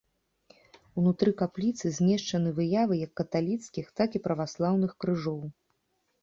Унутры капліцы змешчаны выявы як каталіцкіх, так і праваслаўных крыжоў.